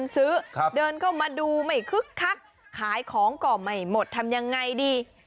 เดินเข้ามาดูไม่คึกคักขายของก็ไม่หมดทำยังไงดี